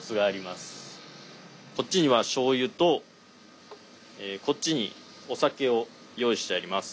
こっちにはしょうゆとこっちにお酒を用意してあります。